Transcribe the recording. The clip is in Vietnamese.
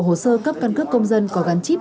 hồ sơ cấp căn cước công dân có gắn chip